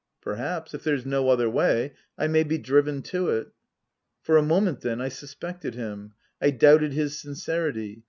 " Perhaps if there's no other way I may be driven to it." For a moment, then, I suspected him. I doubted his sincerity.